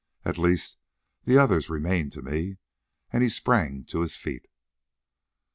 At least, the others remain to me," and he sprang to his feet.